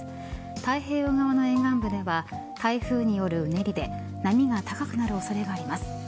太平洋側の沿岸部では台風によるうねりで波が高くなる恐れがあります。